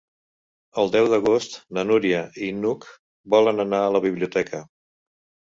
El deu d'agost na Núria i n'Hug volen anar a la biblioteca.